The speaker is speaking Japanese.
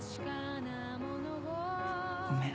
ごめん。